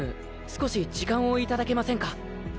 少し時間をいただけませんか？